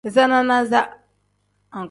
Iza nanasa.